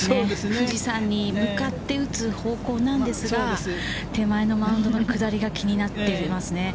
富士山に向かって打つ方向なんですが、手前のマウンドの下りが気になってますね。